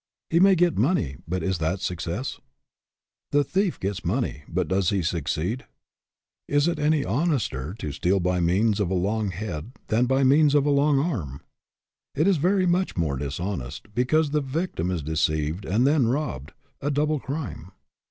He may get money, but is that success ? The thief gets money, but does he succeed? Is it any honester to steal by means of a long head than by means of a long arm? It is very much more dishonest, because the victim is deceived and then robbed a double crime.